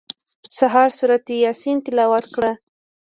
سهار سورت یاسین تلاوت کړه.